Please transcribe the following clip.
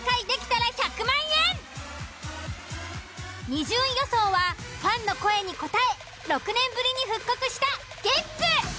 ２０位予想はファンの声に応え６年ぶりに復刻したゲッツ。